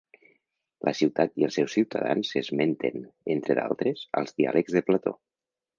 La ciutat i els seus ciutadans s'esmenten, entre d'altres, als Diàlegs de Plató.